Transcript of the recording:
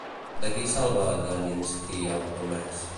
De qui salva Daninsky al promès?